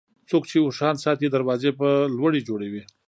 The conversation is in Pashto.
څوک چې اوښان ساتي، دروازې به لوړې جوړوي.